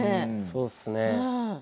そうですね。